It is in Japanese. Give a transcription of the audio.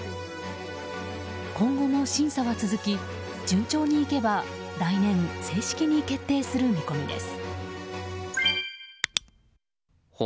今後も審査は続き順調にいけば来年正式に決定する見込みです。